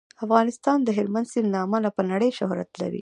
افغانستان د هلمند سیند له امله په نړۍ شهرت لري.